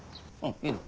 いいの？